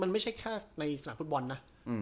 ไม่แค่ในสนามฟู้ดบอลนะ